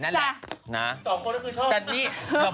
สองคนก็คือชอบ